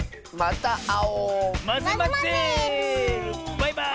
バイバーイ！